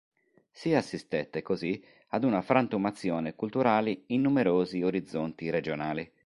Si assistette così ad una frantumazione culturali in numerosi orizzonti "regionali".